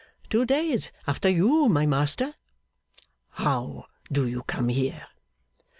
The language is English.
'Two days after you, my master.' 'How do you come here?